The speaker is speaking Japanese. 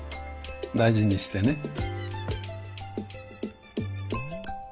大事にしてね。